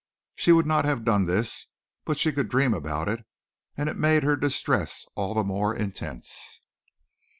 She would not have done this, but she could dream about it, and it made her distress all the more intense.